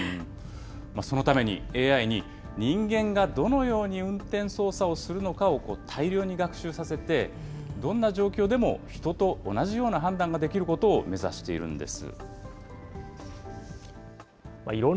そのためにＡＩに人間がどのように運転操作をするのかを大量に学習させて、どんな状況でも人と同じような判断ができることを目指しているんです。